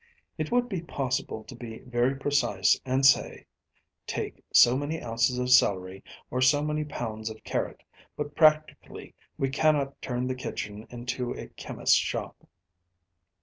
It would be possible to be very precise and say, "Take so many ounces of celery, or so many pounds of carrot, but practically we cannot turn the kitchen into a chemist's shop.